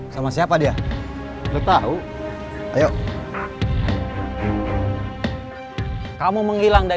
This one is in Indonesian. saya sudah sakit tapi mau harus hidup